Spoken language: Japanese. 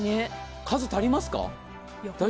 数足りますか？